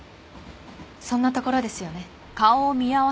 そんなところですよね？